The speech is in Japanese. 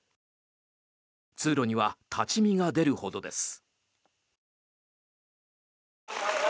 通路には立ち見が出るほどです。